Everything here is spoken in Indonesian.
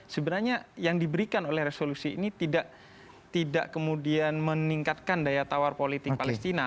sebenarnya yang diberikan oleh resolusi ini tidak kemudian meningkatkan daya tawar politik palestina